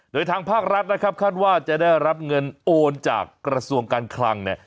โดยทางภาครัฐนะครับคาดว่าจะได้รับเงินโอนจากกระทรวงการคลังเนี่ย